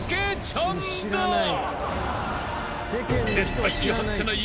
［絶対に外せない］